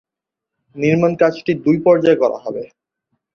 নির্মাণ কাজটি দুই পর্যায়ে করা হবে।